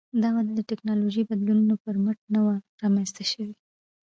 دا وده د ټکنالوژیکي بدلونونو پر مټ نه وه رامنځته شوې